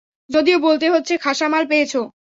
যদিও বলতে হচ্ছে, খাসা মাল পেয়েছ।